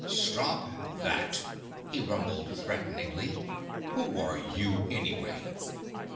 "Stop that!" he rumbled threateningly. "Who are you anyway?"